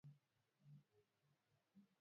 hudson aliatambuliwa kuwa na ugonjwa wa ukimwi